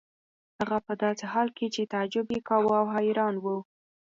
هغه په داسې حال کې چې تعجب یې کاوه او حیران و.